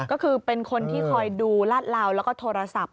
ก็คือเป็นคนที่คอยดูราชราวและโทรศัพท์